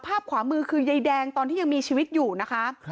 ขวามือคือยายแดงตอนที่ยังมีชีวิตอยู่นะคะ